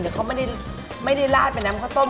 แต่เค้าไม่ได้ลาดไปน้ำข้าวต้ม